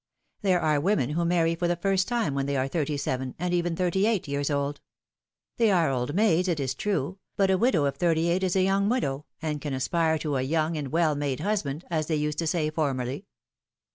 There are women who marry for the first time when they are thirty seven and even thirty eight years old ! They are old maids, it is true, but a widow of thirty eight is a young widow, and can aspire to a young and well made husband,^^ as they used to say formerly.